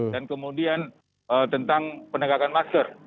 dan kemudian tentang penegakan masker